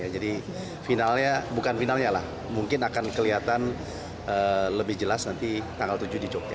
jadi finalnya bukan finalnya lah mungkin akan kelihatan lebih jelas nanti tanggal tujuh di jogja